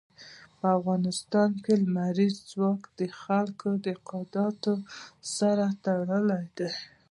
په افغانستان کې لمریز ځواک د خلکو د اعتقاداتو سره تړاو لري.